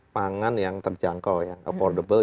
pangan yang terjangkau yang affordable